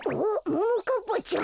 ももかっぱちゃん。